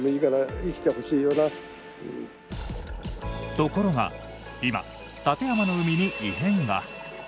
ところが今、館山の海に異変が。